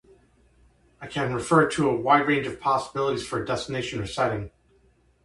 It can refer to a wide range of possibilities for a destination or setting.